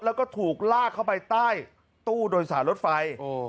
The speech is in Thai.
แล้วก็ถูกลากเข้าไปใต้ตู้โดยสารรถไฟ